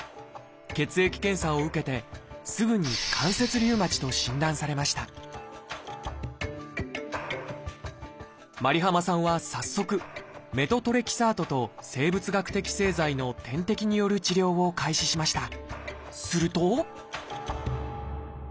血液検査を受けてすぐに「関節リウマチ」と診断されましたｍａｒｉｈａｍａさんは早速メトトレキサートと生物学的製剤の点滴による治療を開始しました。